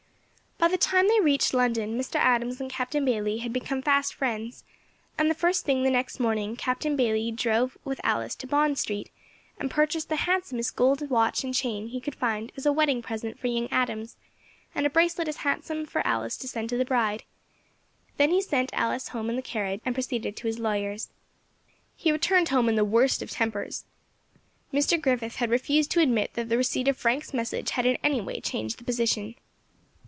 By the time they reached London Mr. Adams and Captain Bayley had become fast friends, and the first thing the next morning, Captain Bayley drove with Alice to Bond Street and purchased the handsomest gold watch and chain he could find as a wedding present for young Adams, and a bracelet as handsome for Alice to send to the bride; then he sent Alice home in the carriage and proceeded to his lawyer's. He returned home in the worst of tempers. Mr. Griffith had refused to admit that the receipt of Frank's message had in any way changed the position.